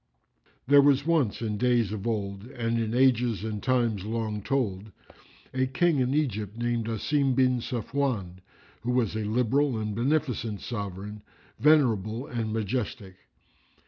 There was once, in days of old and in ages and times long told, a King in Egypt called Asim bin Safwán,[FN#354] who was a liberal and beneficent sovran, venerable and majestic.